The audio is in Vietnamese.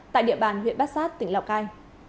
tại địa bàn huyện bát giác tỉnh lào cai